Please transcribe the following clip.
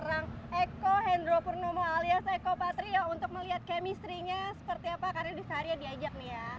orang eko hendro purnomo alias eko patrio untuk melihat chemistry nya seperti apa karena disaria diajak nih ya